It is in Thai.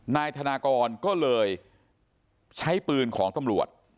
นายธนากรก็เลยใช้ปืนของตำรวจ